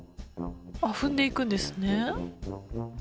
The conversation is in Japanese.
あっ踏んでいくんですね。